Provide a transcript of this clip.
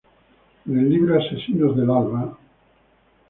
En el libro Asesinos del alba, Mr.